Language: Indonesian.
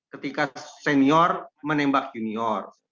ketika senior menembak junior